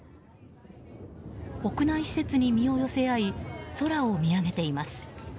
屋内施設に身を寄せ合い空を見上げています。